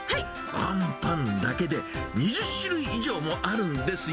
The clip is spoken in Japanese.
あんパンだけで２０種類以上もあるんですよ。